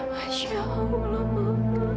masya allah bu